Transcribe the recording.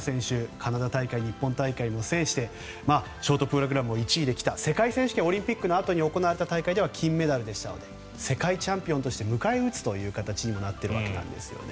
カナダ大会、日本大会を制してショートプログラムを１位で来た世界選手権オリンピックのあとに行われた大会では金メダルでしたので世界チャンピオンとして迎え撃つ形にもなっているんです。